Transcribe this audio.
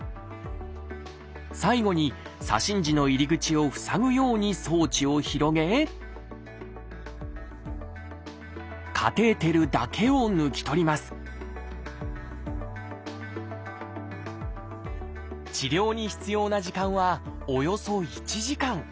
最後に左心耳の入り口を塞ぐように装置を広げカテーテルだけを抜き取ります治療に必要な時間はおよそ１時間。